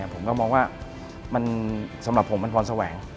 ผมก็มองว่าสำหรับผมมันพรแสวง